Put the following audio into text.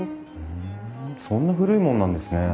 ふんそんな古いもんなんですね。